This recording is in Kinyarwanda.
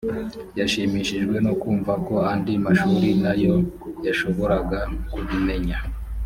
yashimishijwe no kumva ko andi mashuri na yo yashoboraga kubimenya